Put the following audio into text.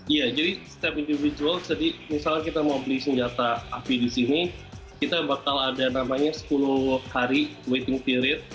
iya jadi step individual jadi misalnya kita mau beli senjata api di sini kita bakal ada namanya sepuluh hari waiting period